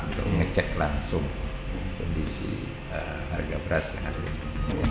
untuk ngecek langsung kondisi harga beras yang ada di pulau